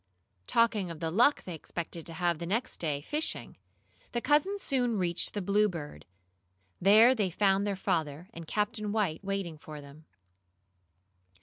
Talking of the luck they expected to have the next day, fishing, the cousins soon reached the Bluebird. There they found their father and Captain White waiting for them.